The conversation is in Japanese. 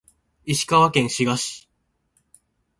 石川県志賀町